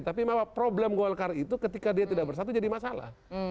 tapi bahwa problem golkar itu ketika dia tidak bersatu jadi masalah